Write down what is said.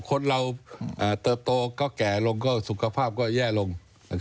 คนเราเติบโตก็แก่ลงก็สุขภาพก็แย่ลง